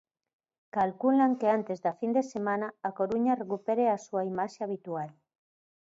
Calculan que antes da fin de semana, A Coruña recupere a súa imaxe habitual.